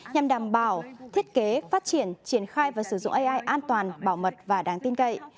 nhằm đảm bảo thiết kế phát triển triển khai và sử dụng ai an toàn bảo mật và đáng tin cậy